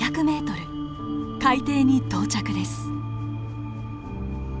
海底に到着です。